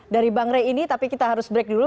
dari bang rey ini tapi kita harus break dulu